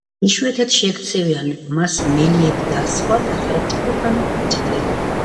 იშვიათად შეექცევიან მას მელიები და სხვა პატარა ფრთოსანი მტაცებლები.